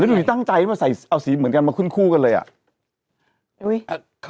แล้วที่ตั้งใจมาใส่เอาสีเหมือนกันมาคุ้นคู่กันเลยอ่ะอุ๊ย